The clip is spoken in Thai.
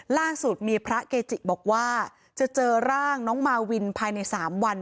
ล่าสุดมีพระเกจิบอกว่าจะเจอร่างน้องมาวินภายใน๓วัน